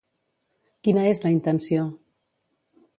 Quina és la intenció?